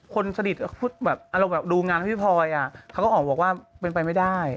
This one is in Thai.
คนสนิทก็พูดแบบดูงานพี่พลอยอะเราก็บอกว่าเป็นไปไม่ได้